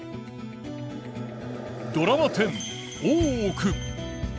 ドラマ１０「大奥」。